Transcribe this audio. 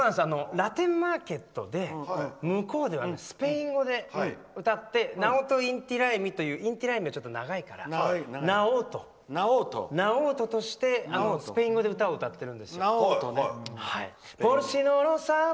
ラテンマーケットで向こうではスペイン語で歌ってナオト・インティライミというインティライミは長いからナオートとしてスペイン語で歌を歌っているんですよ。